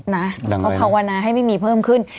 แล้วก็ภาวนาให้ไม่มีเพิ่มขึ้น